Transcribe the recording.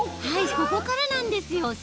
はいここからなんですよ。